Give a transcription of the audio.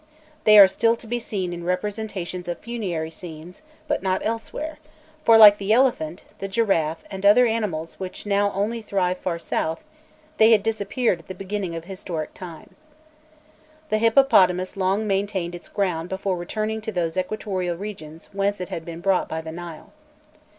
They are still to be seen in representations of funerary scenes, but not elsewhere; for, like the elephant, the giraffe, and other animals which now only thrive far south, they had disappeared at the beginning of historic times. The hippopotamus long maintained its ground before returning to those equatorial regions whence it had been brought by the Nile.